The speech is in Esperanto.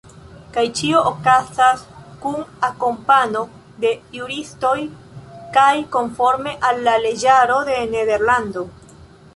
Kaj ĉio okazas kun akompano de juristoj kaj konforme al la leĝaro de Nederlando.